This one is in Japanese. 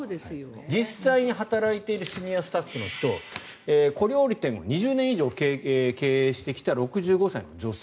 実際に働いているシニアスタッフの人小料理店を２０年以上経営してきた６５歳の女性。